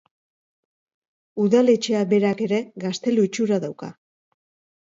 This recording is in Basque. Udaletxeak berak ere gaztelu itxura dauka.